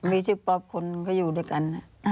มีชื่อป๊อปคนเขาอยู่ด้วยกัน